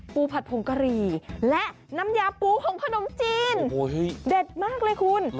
ผัดผงกะหรี่และน้ำยาปูผงขนมจีนเด็ดมากเลยคุณ